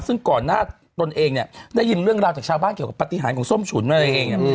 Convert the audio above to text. ซึ่งก่อนหน้าตนเองเนี่ยได้ยินเรื่องราวจากชาวบ้านเกี่ยวกับปฏิหารของส้มฉุนอะไรเอง